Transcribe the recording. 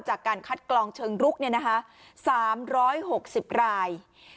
จากการคัดกรองเชิงรุก๓๖๐ราย